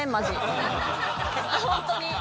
ホントに。